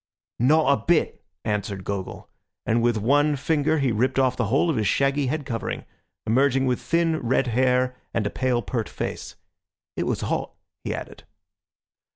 "Not a bit," answered Gogol; and with one finger he ripped off the whole of his shaggy head covering, emerging with thin red hair and a pale, pert face. "It was hot," he added.